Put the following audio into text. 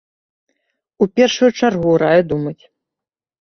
У першую чаргу раю думаць.